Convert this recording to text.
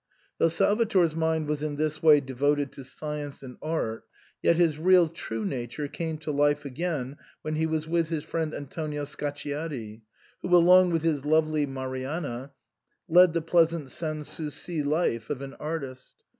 Though Salvator's mind was in this way devoted to science and art, yet his real true nature came to life again when he was with his friend Antonio Scacciati, who, along with his lovely Marianna, led the pleasant sans souci life of an artist.